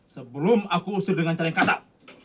sebelum aku usir dengan cara yang kasar